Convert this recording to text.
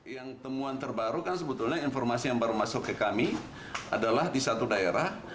yang temuan terbaru kan sebetulnya informasi yang baru masuk ke kami adalah di satu daerah